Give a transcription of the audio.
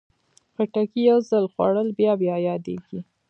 خټکی یو ځل خوړل بیا بیا یادېږي.